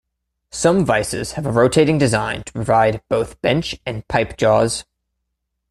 Some vises have a rotating design to provide both bench and pipe jaws.